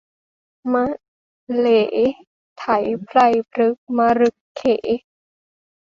มะเหลไถไพรพรึกมะรึกเข